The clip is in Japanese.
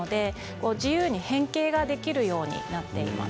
自由に変形できるようになっています。